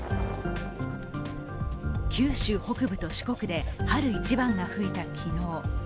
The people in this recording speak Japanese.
九州北部と四国で春一番が吹いた昨日。